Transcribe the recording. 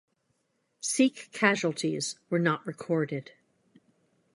Sikh casualties were not recorded.